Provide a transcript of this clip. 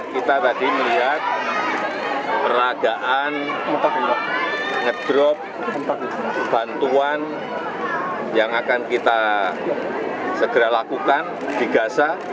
kita tadi melihat peragaan ngedrop bantuan yang akan kita segera lakukan di gaza